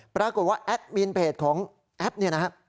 ปรากฏว่าแอดมินเพจของแอปเนี่ยนะฮะ